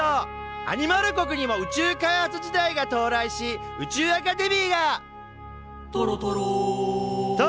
アニマル国にも宇宙開発時代が到来し宇宙アカデミーが「とろとろー！」と誕生。